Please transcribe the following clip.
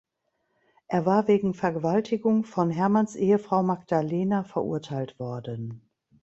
Er war wegen Vergewaltigung von Hermanns Ehefrau Magdalena verurteilt worden.